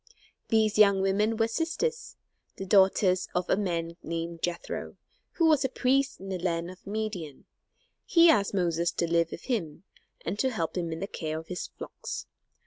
These young women were sisters, the daughters of a man named Jethro, who was a priest in the land of Midian. He asked Moses to live with him, and to help him in the care of his flocks.